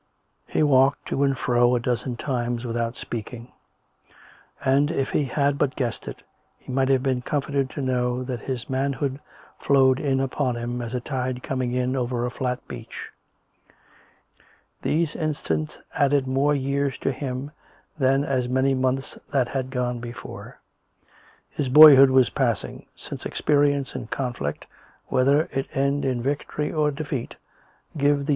He walked to and fro half a dozen times without speak ing, and, if he had but guessed it, he might have been comforted to know that his manhood flowed in upon him, as a tide coming in over a flat beach. These instants added more years to him than as many months that had gone before. His boyhood was passing, since experience and conflict^ whether it end in victory or defeat, give the years COME RACK!